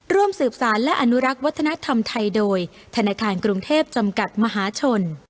ร่วมสืบสารและอนุรักษ์วัฒนธรรมไทยโดยธนาคารกรุงเทพจำกัดมหาชน